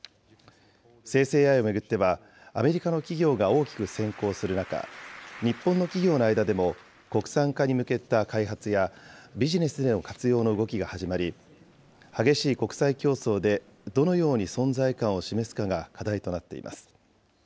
生成ＡＩを巡っては、アメリカの企業が大きく先行する中、日本の企業の間でも、国産化に向けた開発やビジネスでの活用の動きが始まり、激しい国際競争でどのように存在感を示すかが課題となっています。